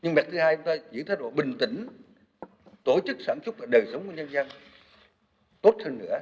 nhưng mặt thứ hai chúng ta chỉ thay đổi bình tĩnh tổ chức sản xuất đời sống của nhân dân tốt hơn nữa